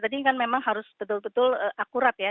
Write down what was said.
tadi kan memang harus betul betul akurat ya